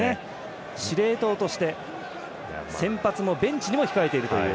司令塔として先発もベンチにも控えているという。